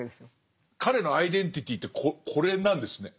彼のアイデンティティーってこれなんですね。